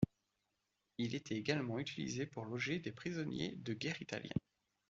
Il était également utilisé pour loger des prisonniers de guerre italiens.